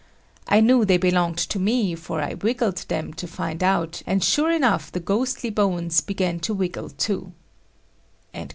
I knew they belonged to me for I wiggled them to find out and sure enough the ghostly bones began to wiggle too."